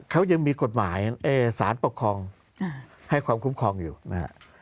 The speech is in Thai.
เขายังมีกฎหมายสารปกครองให้ความคุ้มครองอยู่นะฮะ